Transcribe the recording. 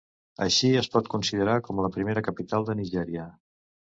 Així, es pot considerar com la primera capital de Nigèria.